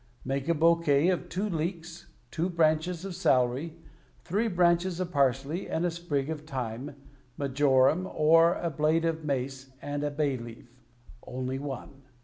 ,Make a bouquet of two leeks, two branches of celery, three branches of parsley, and a sprig of thyme, marjoram, a blade of mace and a bay leaf — only one.